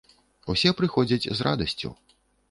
Усе прыходзяць з радасцю.